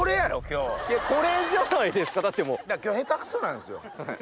だから今日下手くそなんですよ。